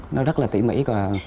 nó rất là tỉ mỉ